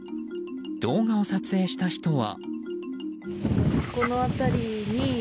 動画を撮影した人は。